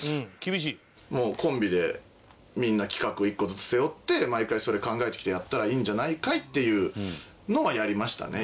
コンビでみんな企画を１個ずつ背負って毎回それ考えてきてやったらいいんじゃないかいっていうのはやりましたね